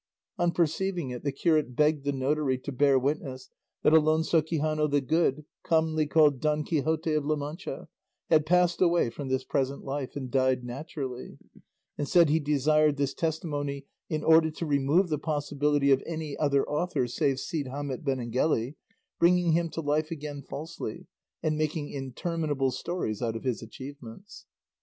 On perceiving it the curate begged the notary to bear witness that Alonso Quixano the Good, commonly called Don Quixote of La Mancha, had passed away from this present life, and died naturally; and said he desired this testimony in order to remove the possibility of any other author save Cide Hamete Benengeli bringing him to life again falsely and making interminable stories out of his achievements.